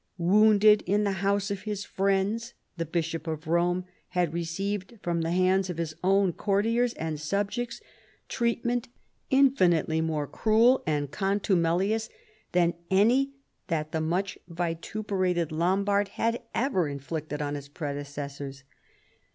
" Wounded in the house of his friends," the Bishop of Rome had received from the hands of his own courtiers and subjects treatment infinitely more cruel and contumelious than any that the much vituper aced Lombard had ever inflicted on his predecessors.